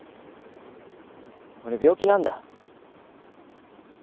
俺病気なんだ。